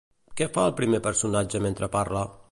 Què fa el primer personatge mentre parla?